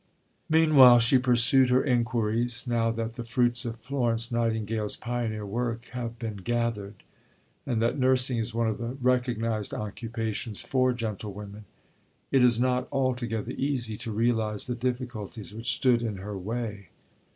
Meanwhile she pursued her inquiries. Now that the fruits of Florence Nightingale's pioneer work have been gathered, and that nursing is one of the recognized occupations for gentlewomen, it is not altogether easy to realize the difficulties which stood in her way.